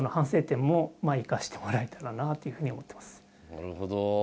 なるほど。